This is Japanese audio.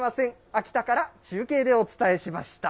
秋田から中継でお伝えしました。